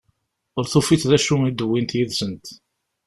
Ur tufiḍ d acu i d-uwint yid-sent.